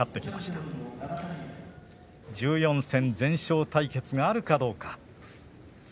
１４戦全勝対決があるかどうか。